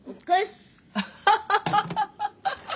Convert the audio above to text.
アハハハハ。